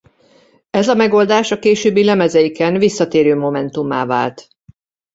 Ez a megoldás a későbbi lemezeiken visszatérő momentummá vált.